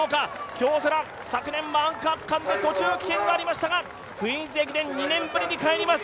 京セラ、昨年はアンカー区間で途中棄権がありましたがクイーンズ駅伝２年ぶりに帰ります